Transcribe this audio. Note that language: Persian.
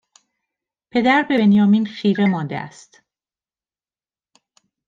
پدر به بنیامین خیره مانده است